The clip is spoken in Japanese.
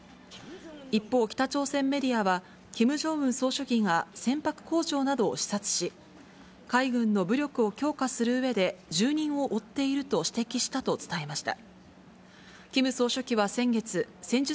一方、北朝鮮メディアは、キム・ジョンウン総書記が船舶工場などを視察し、海軍の武力を強化するうえで、重任を負っていると指摘したと伝えました。